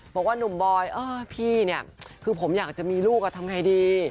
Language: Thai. เพราะว่านุ่มบอยเออพี่เนี่ยคือผมอยากจะมีลูกอะทำไงดี